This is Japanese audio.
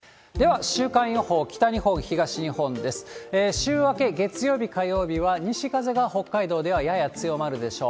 週明け月曜日、火曜日は西風が北海道ではやや強まるでしょう。